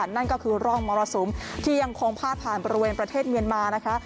นั่นก็คือร่องมรสุมที่ยังคงพาดผ่านบริเวณประเทศเมียนมานะคะ